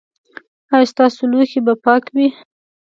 ایا ستاسو لوښي به پاک وي؟